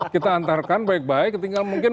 kita antarkan baik baik tinggal mungkin